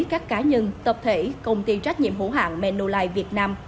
các cá nhân tập thể công ty trách nhiệm hữu hạng menulife việt nam